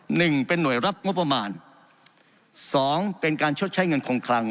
หนึ่งเป็นหน่วยรับงบประมาณสองเป็นการชดใช้เงินคงคลัง